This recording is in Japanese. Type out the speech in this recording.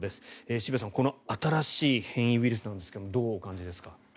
渋谷さん、この新しい変異ウイルスなんですがどうお感じですか？